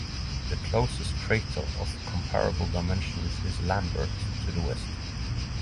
The closest crater of comparable dimensions is Lambert to the west.